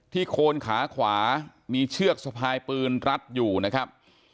โคนขาขวามีเชือกสะพายปืนรัดอยู่นะครับ